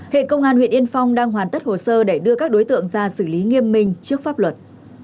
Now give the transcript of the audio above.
hiện công an huyện yên phong đang hoàn tất hồ sơ để đưa các đối tượng ra xử lý nghiêm minh trước pháp luật